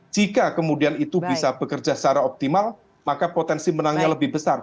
jika kemudian itu bisa bekerja secara optimal maka potensi menangnya lebih besar